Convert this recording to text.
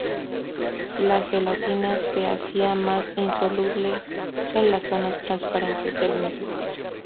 La gelatina se hacía más insoluble en las zonas transparentes del mismo.